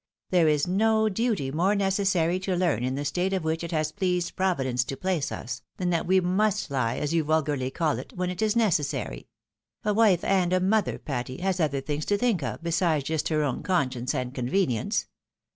There is no duty more necessary to learn in the state in which it has pleased Providence to place us, than that we Tnust lie, as you vulgarly call it, when it is necessary. A wife and a mother, Patty, has other things to think of, besides just her own conscience and convenience.